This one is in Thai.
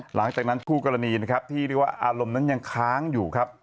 หลังจากนั้นคู่กรณีนะครับที่เรียกว่าอารมณ์นั้นยังค้างอยู่ครับ